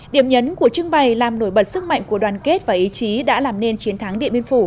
điểm nhấn của trưng bày làm nổi bật sức mạnh của đoàn kết và ý chí đã làm nên chiến thắng điện biên phủ